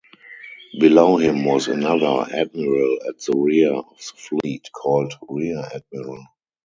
Below him was another admiral at the rear of the fleet, called rear admiral.